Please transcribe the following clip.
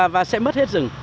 và sẽ mất hết rừng